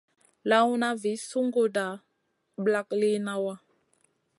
Lawna vi sunguda ɓlak liyna wa.